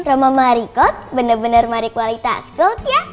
roma mariko bener bener mari kualitas goat ya